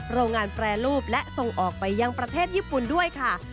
โรงงานแปรรูปและส่งออกไปยังประเทศญี่ปุ่นด้วยค่ะ